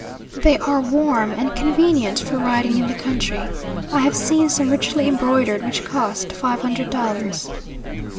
They are warm and convenient for riding in the country. I have seen some richly embroidered, which cost five hundred dollars.